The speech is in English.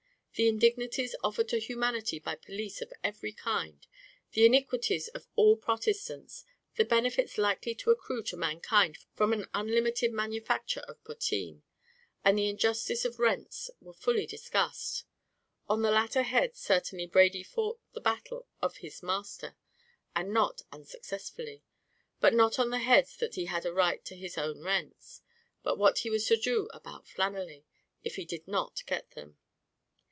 The indignities offered to humanity by police of every kind, the iniquities of all Protestants, the benefits likely to accrue to mankind from an unlimited manufacture of potheen, and the injustice of rents, were fully discussed; on the latter head certainly Brady fought the battle of his master, and not unsuccessfully; but not on the head that he had a right to his own rents, but what he was to do about Flannelly, if he did not get them.